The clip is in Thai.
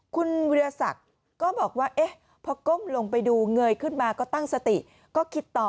คุณวิทยาศักดิ์ก็บอกว่าพอก้มลงไปดูเงยขึ้นมาก็ตั้งสติก็คิดต่อ